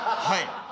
はい。